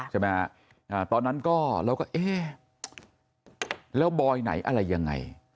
ใช่ไหมฮะตอนนั้นก็เราก็เอ๊ะแล้วบอยไหนอะไรยังไง